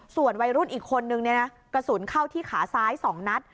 ส่วนวัยรุ่นอีกคนนึงเนี่ยนะกระสุนเข้าที่ขาซ้าย๒นัด